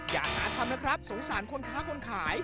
อยากหาทำนะครับสงสารคนค้าคนขาย